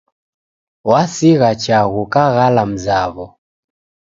Wasigha chaghu kaghala mzawo